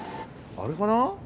あれかな？